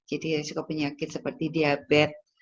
jadi resiko penyakit seperti diabetes